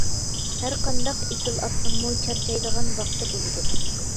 ھەر قانداق ئېسىل ئاتنىڭمۇ چارچايدىغان ۋاقتى بولىدۇ.